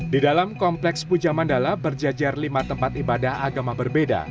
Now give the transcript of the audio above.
di dalam kompleks puja mandala berjajar lima tempat ibadah agama berbeda